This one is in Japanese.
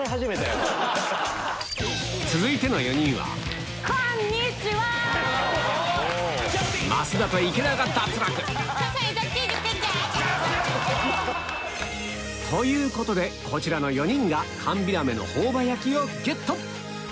続いての４人はこんにちは！ということでこちらの４人がゲット！